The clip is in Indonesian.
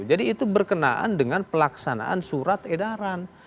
jadi itu berkenaan dengan pelaksanaan surat edaran